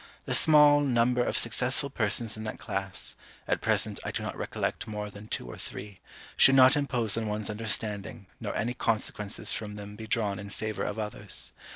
The small, number of successful persons in that class (at present I do not recollect more than two or three) should not impose on one's understanding, nor any consequences from them be drawn in favour of others.